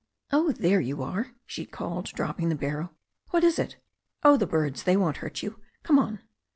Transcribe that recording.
"Oh, there you are," she called, dropping the barrow. "What is it? Oh, the birds. They won't hurt you. Come on.